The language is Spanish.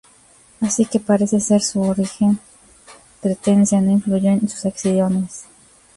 Así que parece ser que su origen cretense no influyó en sus acciones.